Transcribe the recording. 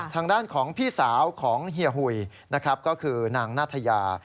ทางด้านของพี่สาวของเฮียหุยนะครับก็คือนางนาธยา